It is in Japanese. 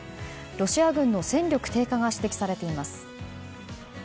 ロシア軍の戦力低下が指摘されています。